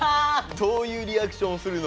どういうリアクションをするのかって。